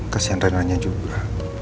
kesian reina nya juga